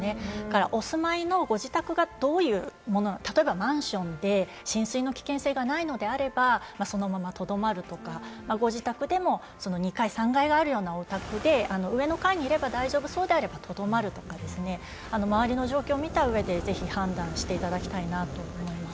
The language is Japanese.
だからお住まいのご自宅がどういう、例えばマンションで浸水の危険性がないのであれば、そのままとどまるとか、ご自宅でも２階、３階があるようなお宅で、上の階にいれば大丈夫そうであればとどまるとか、周りの状況を見た上でぜひ判断していただきたいなと思います。